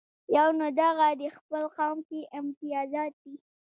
یونه دغه دې خپل قوم کې امتیازات دي.